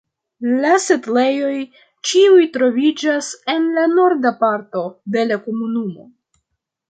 La setlejoj ĉiuj troviĝas en la norda parto de la komunumo.